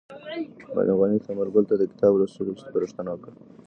معلم غني ثمر ګل ته د کتاب لوستلو سپارښتنه وکړه.